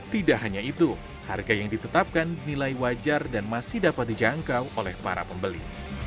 tidak hanya itu harga yang ditetapkan dinilai wajar dan masih dapat dijangkau oleh para pembeli